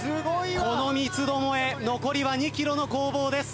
この三つどもえ残りは２ｋｍの攻防です。